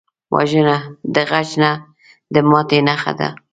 وژنه د غچ نه، د ماتې نښه ده